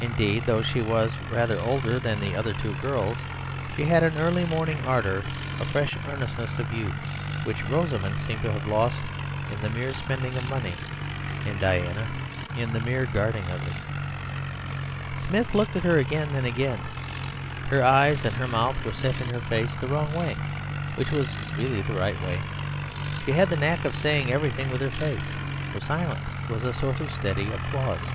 Indeed, though she was rather older than the other two girls, she had an early morning ardour, a fresh earnestness of youth, which Rosamund seemed to have lost in the mere spending of money, and Diana in the mere guarding of it. Smith looked at her again and again. Her eyes and mouth were set in her face the wrong way—which was really the right way. She had the knack of saying everything with her face: her silence was a sort of steady applause.